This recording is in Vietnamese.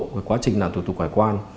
của quá trình làm thủ tục hải quan